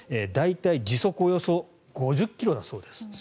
大体時速およそ５０ｋｍだそうです。